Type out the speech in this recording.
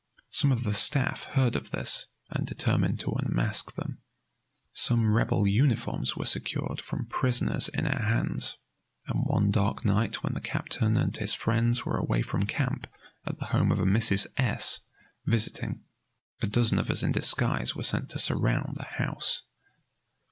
Some of the staff heard of this and determined to unmask them. Some Rebel uniforms were secured from prisoners in our hands, and one dark night when the captain and his friends were away from camp at the home of a Mrs. S , visiting, a dozen of us in disguise were sent to surround the house.